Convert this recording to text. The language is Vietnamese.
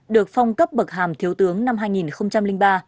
được phong cấp bậc hàm thiếu tướng năm hai nghìn ba